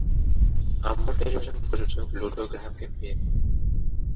হাম্বল television প্রযোজক লুডো গ্রাহামকে বিয়ে করেন।